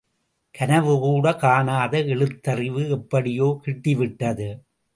கனவுகூட காணாத எழுத்தறிவு எப்படியோ கிட்டிவிட்டது.